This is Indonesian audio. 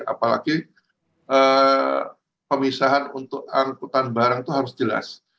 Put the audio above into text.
apalagi pemisahan untuk angkutan barang itu harus jelas